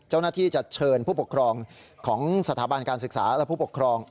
เจ้าหน้าที่จะเชิญผู้ปกครองของสถาบันการศึกษาและผู้ปกครอง